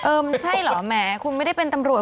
เอ่อมันใช่หรอแหมคุณไม่ได้เป็นตำรวจ